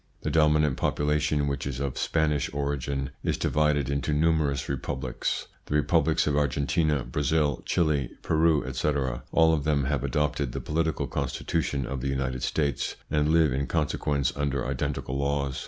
The dominant population, which is of Spanish origin, is divided into numerous republics : the republics of Argentina, Brazil, Chili, Peru, etc. All of them have adopted the political constitution of the United States, and live in consequence under identical laws.